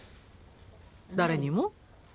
誰にも？